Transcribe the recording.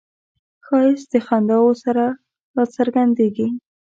ښایست د خنداوو سره راڅرګندیږي